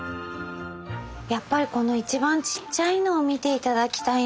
やっぱりこの一番ちっちゃいのを見て頂きたいなと思います。